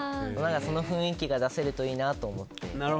その雰囲気が出せるといいなと思って。